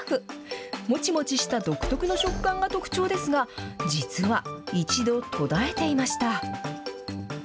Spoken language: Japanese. もちもちした独特の食感が特徴ですが、実は、一度途絶えていました。